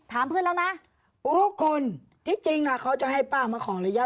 ถามเพื่อนแล้วนะอุรกลที่จริงนะเขาจะให้ป้ามาของระยะเวลา